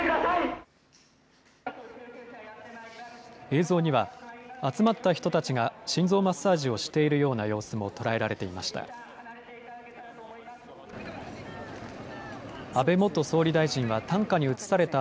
ＡＥＤ、映像には、集まった人たちが心臓マッサージをしているような様子も捉えられていました。